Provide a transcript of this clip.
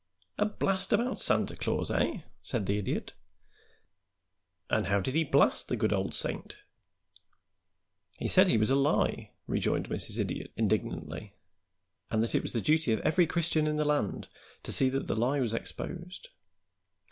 "A blast about Santa Claus, eh!" said the Idiot. "And how did he blast the good old saint?" "He said he was a lie," rejoined Mrs. Idiot, indignantly, "and that it was the duty of every Christian in the land to see that the lie was exposed."